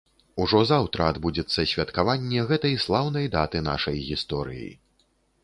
Ужо заўтра адбудзецца святкаванне гэтай слаўнай даты нашай гісторыі.